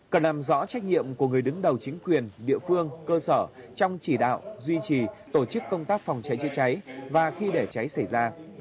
cần làm rõ trách nhiệm của người đứng đầu chính quyền địa phương cơ sở trong chỉ đạo duy trì tổ chức công tác phòng cháy chữa cháy và khi để cháy xảy ra